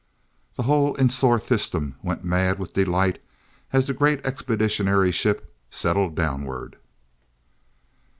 The whole Insthor system went mad with delight as the great Expeditionary Ship settled downward.